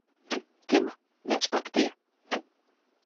Kema, nechpaktia